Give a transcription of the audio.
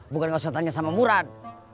bukan gak usah tanya sama murad